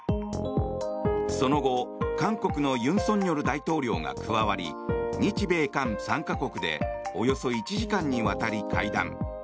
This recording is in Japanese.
その後韓国の尹錫悦大統領が加わり日米韓３か国でおよそ１時間にわたり会談。